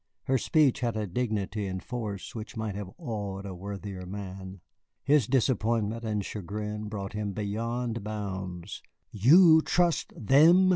Her speech had a dignity and force which might have awed a worthier man. His disappointment and chagrin brought him beyond bounds. "You trust them!"